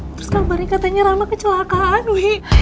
terus kabarnya katanya rama kecelakaan wih